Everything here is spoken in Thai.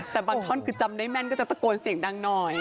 แต่บางท่อนคือจำได้แม่นก็จะตะโกนเสียงดังหน่อย